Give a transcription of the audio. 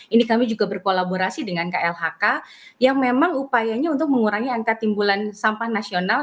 ini kami juga berkolaborasi dengan klhk yang memang upayanya untuk mengurangi angka timbulan sampah nasional